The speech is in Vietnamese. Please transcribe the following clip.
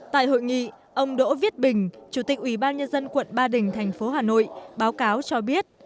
tại hội nghị ông đỗ viết bình chủ tịch ubnd tp ba đình hà nội báo cáo cho biết